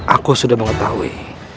aku sudah mengetahui